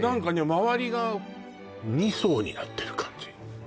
まわりが二層になってる感じ